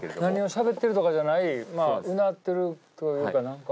しゃべってるとかじゃないうなってるというか何か。